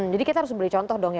jadi kita harus beri contoh dong ya